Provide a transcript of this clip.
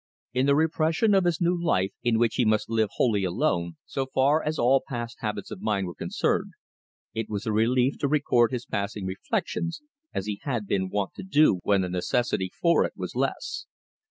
In the repression of the new life, in which he must live wholly alone, so far as all past habits of mind were concerned, it was a relief to record his passing reflections, as he had been wont to do when the necessity for it was less.